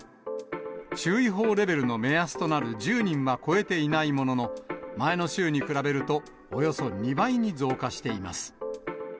注意報レベルの目安となる１０人は超えていないものの、前の週に比べると、およそ２倍に増加しています。